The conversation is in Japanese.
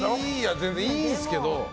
全然いいですけど。